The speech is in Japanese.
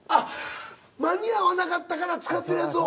間に合わなかったから使ってるやつを。